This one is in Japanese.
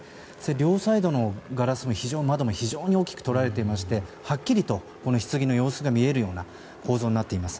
両サイドのガラスの窓も非常に大きくとられていましてはっきりとひつぎの様子が見えるような構造になっています。